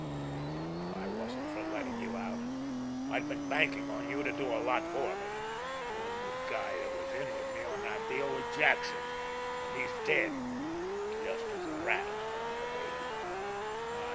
"I wasn't for letting you out. I'd been banking on you to do a lot for me. The only guy that was in with me on that deal was Jackson—and he's dead—just as the Rat is going to be.